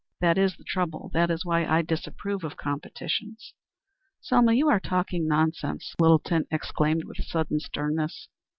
"That is the trouble. That is why I disapprove of competitions." "Selma, you are talking nonsense," Littleton exclaimed with sudden sternness.